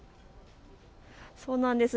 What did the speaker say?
そうなんです。